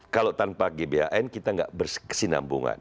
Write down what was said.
kalau tanpa gban kita nggak bersinambungan